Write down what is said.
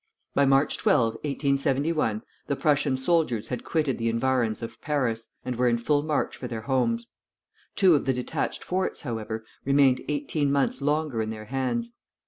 By March 12,1871, the Prussian soldiers had quitted the environs of Paris, and were in full march for their homes. Two of the detached forts, however, remained eighteen months longer in their hands.